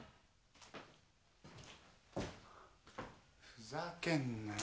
ふざけんなよ。